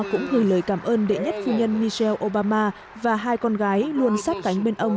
cũng gửi lời cảm ơn đệ nhất phu nhân michel obama và hai con gái luôn sát cánh bên ông